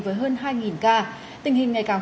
với hơn hai ca tình hình ngày càng